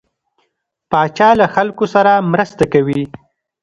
پاچا له خلکو سره مرسته کوي.